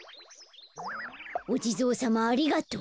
おじぞうさまありがとう。